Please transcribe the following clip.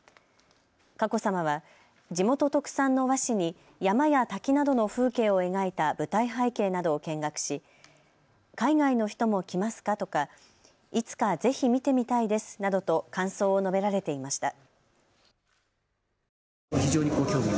佳子さまは地元特産の和紙に山や滝などの風景を描いた舞台背景などを見学し海外の人も来ますかとかいつかぜひ見てみたいですなどと感想を述べられていました。